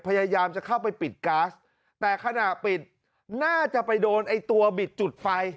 พยายามจะเข้าไปปิดก๊าซแต่ขณะปิดน่าจะไปโดนไอ้ตัวบิดจุดไฟ